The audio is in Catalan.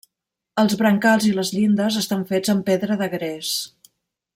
Els brancals i les llindes estan fets amb pedra de gres.